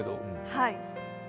はい。